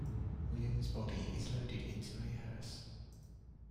Williams' body is loaded into a hearse.